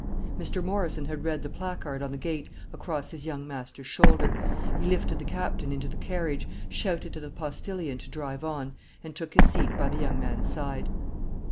Mr. Morrison had read the placard on the gate across his young master's shoulder. He lifted the Captain into the carriage, shouted to the postillion to drive on, and took his seat by the young man's side.